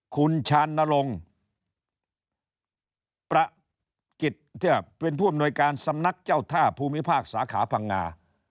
คุณชานรงค์ประกิจเป็นผู้อำนวยการสำนักเจ้าท่าภูมิภาคสาขาพังงา